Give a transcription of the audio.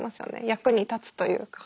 役に立つというか。